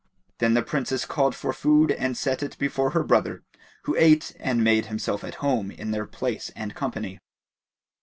Then the Princess called for food and set it before her brother, who ate and made himself at home in their place and company.